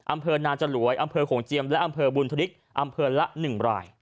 อำเภอนาจลวยอำเภอโขงเจียมและอำเภอบุญธนิกอำเภอละ๑ราย